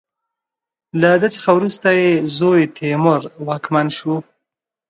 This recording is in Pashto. له ده څخه وروسته یې زوی تیمور واکمن شو.